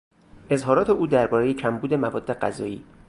اظهارات او دربارهی کمبود مواد غذایی